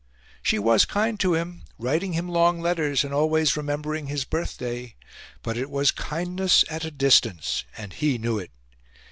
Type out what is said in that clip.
She was kind to him, writing him long letters, and always remembering his birthday; but it was kindness at a distance, and he knew it.